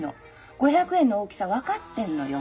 ５００円の大きさ分かってんのよ。